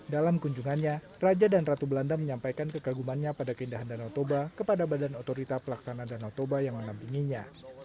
dalam kunjungannya raja dan ratu belanda menyampaikan kekagumannya pada keindahan danau toba kepada badan otorita pelaksana danau toba yang menampinginya